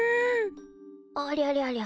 ありゃりゃりゃ。